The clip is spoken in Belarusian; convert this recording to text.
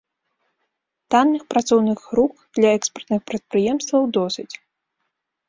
Танных працоўных рук для экспартных прадпрыемстваў досыць.